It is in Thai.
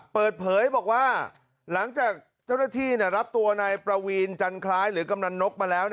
เปิดเผยบอกว่าหลังจากเจ้าหน้าที่รับตัวนายประวีนจันคล้ายหรือกำนันนกมาแล้ว